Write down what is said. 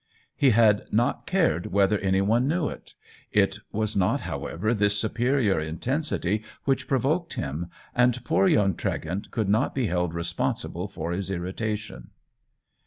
He had not cared whether any one knew it. It was not how ever this superior intensity which provoked him, and poor young Tregent could not be held responsible for his irritation.